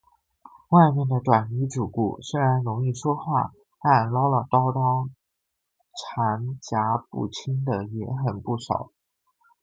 外面的短衣主顾，虽然容易说话，但唠唠叨叨缠夹不清的也很不少。